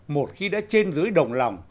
một khi đã trên dưới đồng lòng